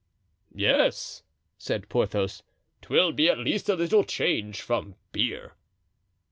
"Yes," said Porthos, "'twill be at least a little change from beer."